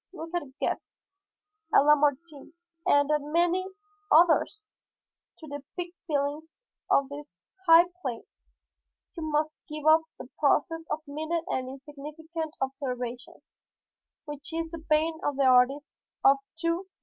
Look at Goethe, at Lamartine and at many others! To depict feelings on this high plane, you must give up the process of minute and insignificant observation which is the bane of the artists of to day.